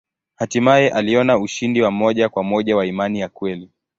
Hatimaye aliona ushindi wa moja kwa moja wa imani ya kweli.